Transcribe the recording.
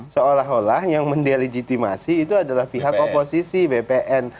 seolah olah yang mendelegitimasi itu adalah pihak oposisi bpn